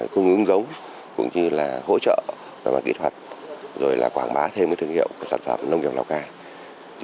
cũng như là hỗ trợ và kỹ thuật rồi là quảng bá thêm thương hiệu sản phẩm nông nghiệp lào cai